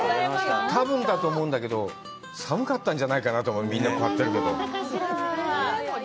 多分だと思うんだけど、寒かったんじゃないかなと、みんなこうやってるけど。